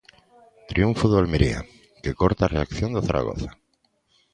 Triunfo do Almería, que corta a reacción do Zaragoza.